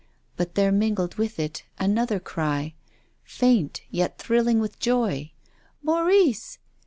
But there mingled with it another cry, faint yet thrilling with joy : "Maurice!